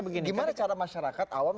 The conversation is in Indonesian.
gimana cara masyarakat awam